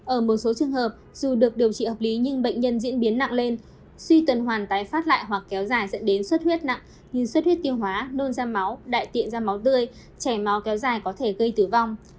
ở một số trường hợp dù được điều trị hợp lý nhưng bệnh nhân diễn biến nặng lên suy tuần hoàn tái phát lại hoặc kéo dài dẫn đến xuất huyết nặng như suốt huyết tiêu hóa nôn da máu đại tiện ra máu tươi chảy máu kéo dài có thể gây tử vong